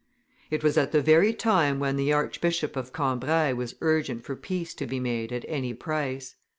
It was at the very time when the Archbishop of Cambrai was urgent for peace to be made at any price.